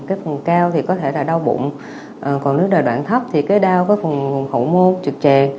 cái phần cao thì có thể là đau bụng còn nếu là đoạn thấp thì cái đau có phần hậu môn trực tràng